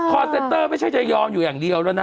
เซนเตอร์ไม่ใช่จะยอมอยู่อย่างเดียวแล้วนะ